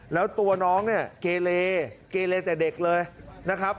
แล้วตัวน้องเนี่ยเกเลเกเลแต่เด็กเลยนะครับ